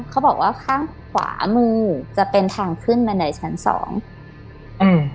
เขาบอกว่าข้างขวามือจะเป็นทางขึ้นบันไดชั้นสองอืม